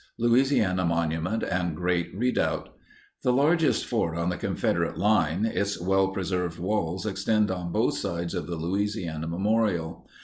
LOUISIANA MONUMENT AND GREAT REDOUBT. The largest fort on the Confederate line, its well preserved walls extend on both sides of the Louisiana memorial.